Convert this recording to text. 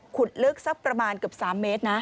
ลึกสักประมาณเกือบ๓เมตรนะ